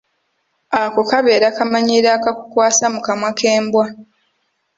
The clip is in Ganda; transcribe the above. Ako kabeera kamanyiiro akakukwasa mu kamwa k'embwa.